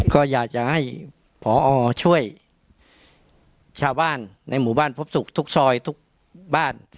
ก็อยากจะให้ผอช่วยชาวบ้านในหมู่บ้านพบสุขทุกซอยทุกบ้าน